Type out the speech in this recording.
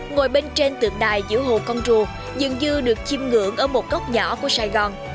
ngồi bên trên tượng đài giữa hồ con rùa dường như được chim ngưỡng ở một góc nhỏ của sài gòn